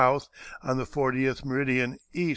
on the fortieth meridian E.